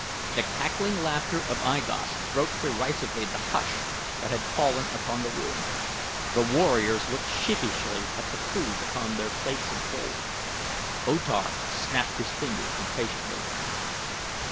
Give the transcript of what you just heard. The cackling laughter of I Gos broke derisively the hush that had fallen on the room. The warriors looked sheepishly at the food upon their plates of gold. O Tar snapped his fingers impatiently.